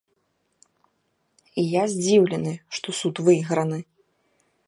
І я здзіўлены, што суд выйграны.